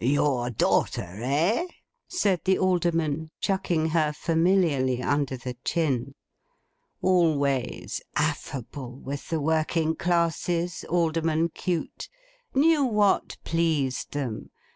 'Your daughter, eh?' said the Alderman, chucking her familiarly under the chin. Always affable with the working classes, Alderman Cute! Knew what pleased them!